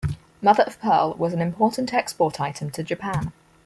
Mother of pearl was an important export item to Japan.